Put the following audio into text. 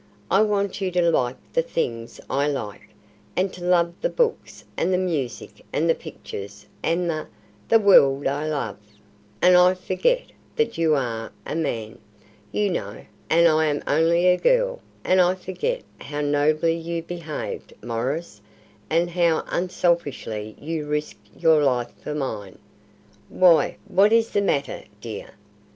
I want you to like the things I like, and to love the books and the music and the pictures and the the World I love; and I forget that you are a man, you know, and I am only a girl; and I forget how nobly you behaved, Maurice, and how unselfishly you risked your life for mine. Why, what is the matter, dear?"